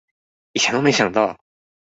以前都沒想到